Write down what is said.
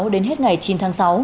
đến hết ngày chín tháng sáu